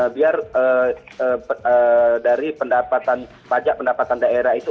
biar dari pajak pendapatan daerah itu